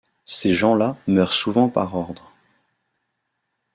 Ces gens-là meurent souvent par ordre...